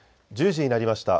１０時になりました。